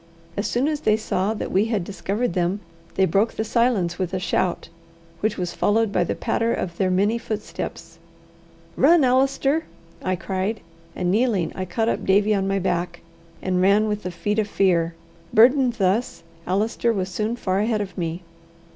As soon as they saw that we had discovered them, they broke the silence with a shout, which was followed by the patter of their many footsteps. "Run, Allister!" I cried; and kneeling, I caught up Davie on my back, and ran with the feet of fear. Burdened thus, Allister was soon far ahead of me.